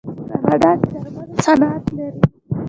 کاناډا د درملو صنعت لري.